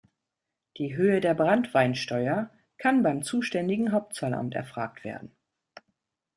Die Höhe der Branntweinsteuer kann beim zuständigen Hauptzollamt erfragt werden.